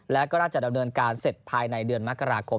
และก็น่าจะดำเนินการเสร็จภายในเดือนมกราคม